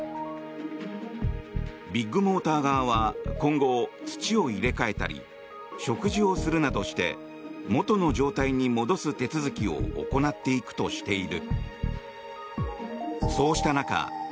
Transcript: ビッグモーター側は今後、土を入れ替えたり植樹をするなどして元の状態に戻す手続きを行っていくとしている。